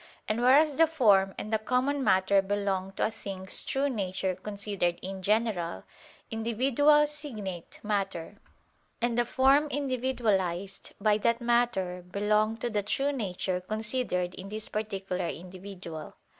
And whereas the form and the common matter belong to a thing's true nature considered in general; individual signate matter, and the form individualized by that matter belong to the true nature considered in this particular individual.